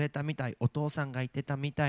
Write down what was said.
お父さんが言ってたみたいに。